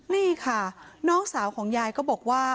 นี่ค่ะน้องสาวของยายก็บอกว่า